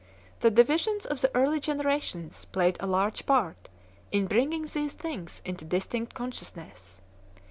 The divisions of the early generations played a large part in bringing these things into distinct consciousness.